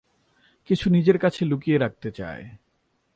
কিছু নিজের কাছে লুকিয়ে রাখতে চায়।